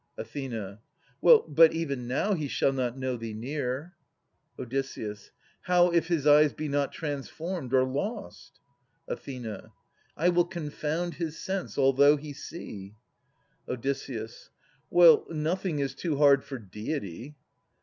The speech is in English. Ath. Well, but even now he shall not know thee near. Od. How, if his eyes be not transformed or lost ? Ath. I will confound his sense although he see. Od. Well, nothing is too hard for Deity.